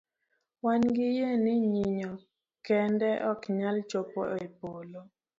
Wan gi yie ni nyinyo kende oknyal chopo epolo .